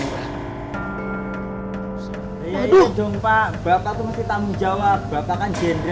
iya dong pak bapak itu masih tamu jawab bapak kan jendera